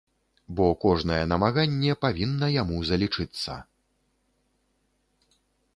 Бо кожнае намаганне павінна яму залічыцца.